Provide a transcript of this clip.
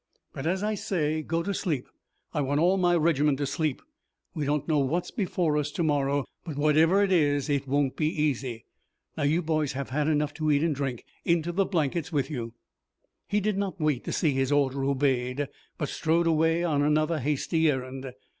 But as I say, go to sleep. I want all my regiment to sleep. We don't know what is before us tomorrow, but whatever it is it won't be easy. Now you boys have had enough to eat and drink. Into the blankets with you!" He did not wait to see his order obeyed, but strode away on another hasty errand.